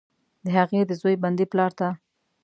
د هغې، د زوی، بندي پلارته،